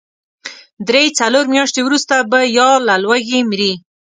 درې، څلور مياشتې وروسته به يا له لوږې مري.